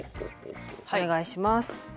お願いします。